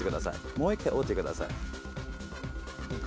もう１回折ってください。